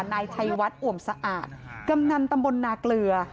นายชัยวัดอ่วมสะอาดกำนันตำบลนาเกลือ